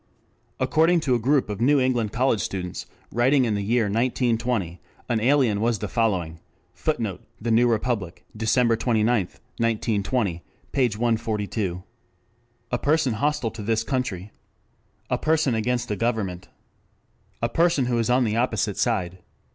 According to a group of New England college students, writing in the year 1920, an alien was the following: [Footnote: The New Republic: December 29, 1920, p. 142. ] "A person hostile to this country." "A person against the government." "A person who is on the opposite side."